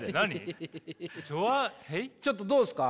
ちょっとどうすか？